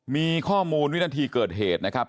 มีข้อมูลวินาทีเกิดเหตุนะครับ